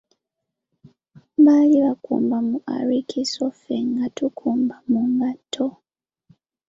Baali bakumba mu arikiso Ffe nga tukumba mu ngatto!